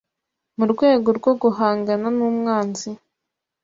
murwego rwo guhangana n’umwanzi